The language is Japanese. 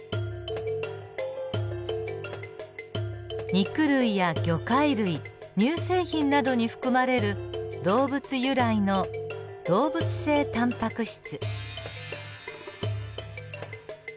肉類や魚介類乳製品などに含まれる動物由来の動物性タンパク質。